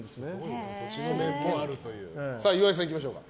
岩井さん、いきましょうか。